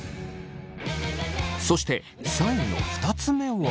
そして３位の２つ目は。